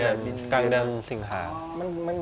สิงหาเดือนกลางเนี่ยกลางดำสิงหา